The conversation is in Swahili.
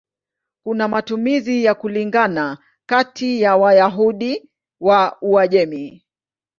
Kuna matumizi ya kulingana kati ya Wayahudi wa Uajemi.